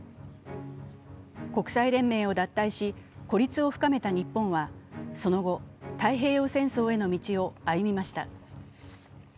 国際連盟を脱退し、孤立を深めた日本は、その後、太平洋戦争への道を歩みました。